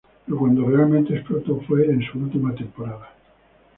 Pero cuando realmente explotó fue en su última temporada.